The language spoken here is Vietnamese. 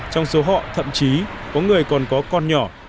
trong số họ thậm chí có người còn có con nhỏ